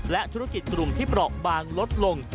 และธุรกิจกลุ่มที่เปราะบางลดลง